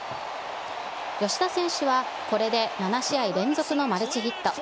吉田選手は、これで７試合連続のマルチヒット。